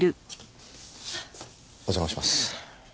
お邪魔します。